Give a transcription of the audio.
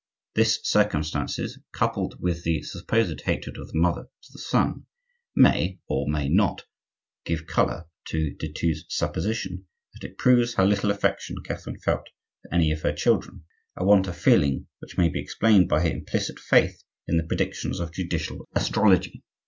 This circumstances, coupled with the supposed hatred of the mother to the son, may or may not give color to de Thou's supposition, but it proves how little affection Catherine felt for any of her children,—a want of feeling which may be explained by her implicit faith in the predictions of judicial astrology.